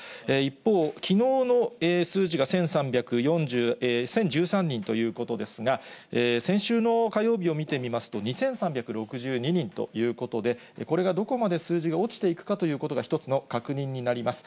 一方、きのうの数字が１０１３人ということですが、先週の火曜日を見てみますと、２３６２人ということで、これが、どこまで数字が落ちていくかということが、一つの確認になります。